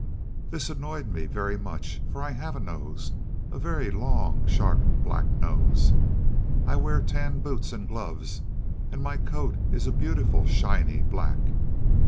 This annoyed me very much, for I have a nose a very long, sharp, black nose. I wear tan boots and gloves, and my coat is a beautiful shiny black.